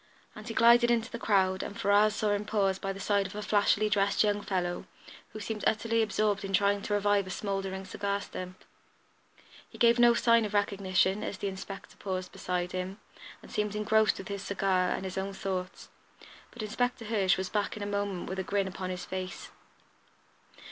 And he glided into the crowd and Ferrars saw him pause by the side of a flashily dressed young fellow, who seemed utterly absorbed in trying to revive a smouldering cigar stump. He gave no sign of recognition as the inspector paused beside him, and seemed engrossed with his cigar and his own thoughts, but Inspector Hirsch was back in a moment with a grin upon his face.